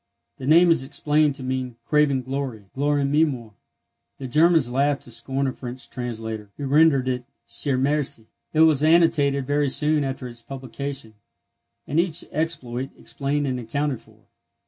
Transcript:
The name is explained to mean "craving glory,"—Gloriæmemor. The Germans laugh to scorn a French translator, who rendered it "Chermerci." It was annotated very soon after its publication, and each exploit explained and accounted for.